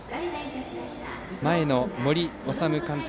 前の森士監督